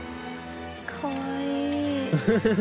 かわいい。